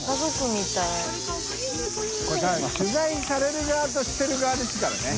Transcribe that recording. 海取材される側としてる側ですからね。